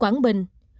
một quảng bình